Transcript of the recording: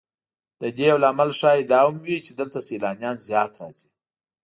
د دې یو لامل ښایي دا هم وي چې دلته سیلانیان زیات راځي.